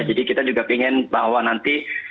jadi kita juga ingin bahwa nanti